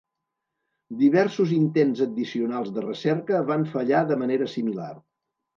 Diversos intents addicionals de recerca van fallar de manera similar.